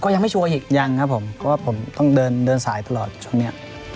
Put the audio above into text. ก็ยังไม่ชัวร์อีกยังครับผมก็ต้องเดินสายตลอดช่วงนี้